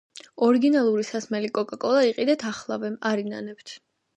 ორიგინალური სასმელი კოკაკოლა იყიდეთ ახლავე არ ინანებთ